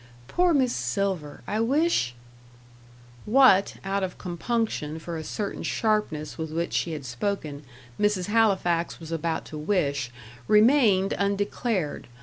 Poor Miss Silver! I wish " What, out of compunction for a certain sharpness with which she had spoken, Mrs. Halifax was about to wish, remained undeclared.